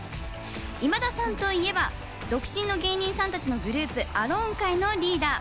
今田さんといえば独身の芸人さんたちのグループ、アローン会のリーダー。